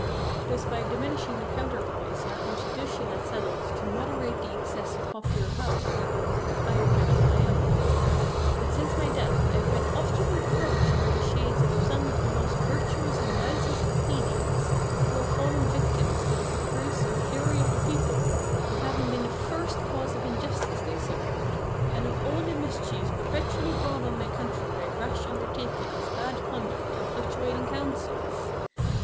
Thus by diminishing the counterpoise our Constitution had settled to moderate the excess of popular power, I augmented my own. But since my death I have been often reproached by the Shades of some of the most virtuous and wisest Athenians, who have fallen victims to the caprice or fury of the people, with having been the first cause of the injustice they suffered, and of all the mischiefs perpetually brought on my country by rash undertakings, bad conduct, and fluctuating councils.